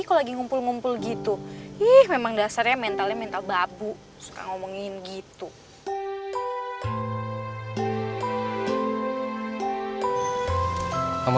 kalau lagi ngumpul ngumpul gitu ih memang dasarnya mentalnya mental babu suka ngomongin gitu kamu